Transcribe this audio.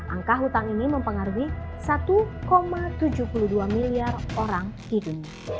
angka hutang ini mempengaruhi satu tujuh puluh dua miliar orang hidup